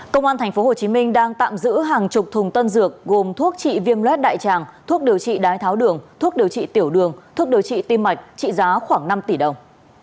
công an tp hcm đang tạm giữ hàng chục thùng tân dược gồm thuốc trị viêm luet đại tràng thuốc điều trị đái tháo đường thuốc điều trị tiểu đường thuốc điều trị tim mạch trị giá khoảng năm tỷ đồng